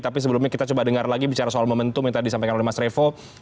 tapi sebelumnya kita coba dengar lagi bicara soal momentum yang tadi disampaikan oleh mas revo